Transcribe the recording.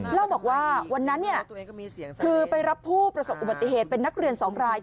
เล่าบอกว่าวันนั้นเนี่ยคือไปรับผู้ประสบอุบัติเหตุเป็นนักเรียน๒ราย